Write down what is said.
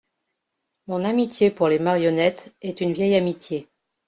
Mon amitié pour les marionnettes est une vieille amitié.